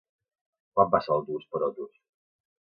Quan passa l'autobús per Otos?